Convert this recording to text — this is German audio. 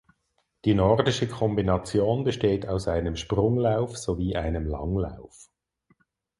Die Nordische Kombination besteht aus einem Sprunglauf sowie einem Langlauf.